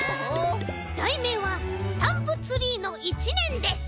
だいめいは「スタンプツリーの１ねん」です。